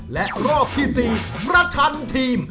และรอบที่๔ประชันทีม